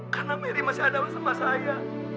karena mary masih ada bersama saya